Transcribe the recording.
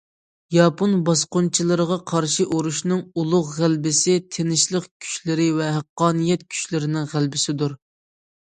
ياپون باسقۇنچىلىرىغا قارشى ئۇرۇشنىڭ ئۇلۇغ غەلىبىسى تىنچلىق كۈچلىرى ۋە ھەققانىيەت كۈچلىرىنىڭ غەلىبىسىدۇر.